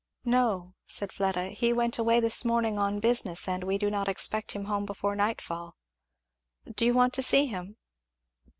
"No," said Fleda, "he went away this morning on business, and we do not expect him home before night fall. Do you want to see him?"